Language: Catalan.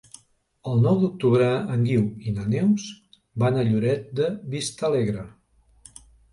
El nou d'octubre en Guiu i na Neus van a Lloret de Vistalegre.